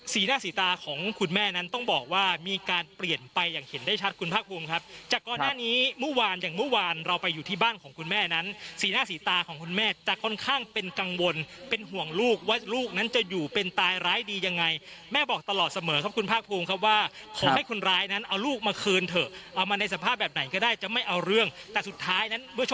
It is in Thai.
สีหน้าสีตาของคุณแม่นั้นต้องบอกว่ามีการเปลี่ยนไปอย่างเห็นได้ชัดคุณภาคภูมิครับจากก่อนหน้านี้เมื่อวานอย่างเมื่อวานเราไปอยู่ที่บ้านของคุณแม่นั้นสีหน้าสีตาของคุณแม่จะค่อนข้างเป็นกังวลเป็นห่วงลูกว่าลูกนั้นจะอยู่เป็นตายร้ายดียังไงแม่บอกตลอดเสมอครับคุณภาคภูมิครับว่าขอให้คนร้ายนั้นเอ